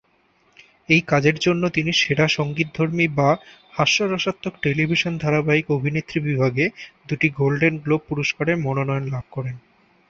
এই কাজের জন্য তিনি সেরা সঙ্গীতধর্মী বা হাস্যরসাত্মক টেলিভিশন ধারাবাহিক অভিনেত্রী বিভাগে দুটি গোল্ডেন গ্লোব পুরস্কারের মনোনয়ন লাভ করেন।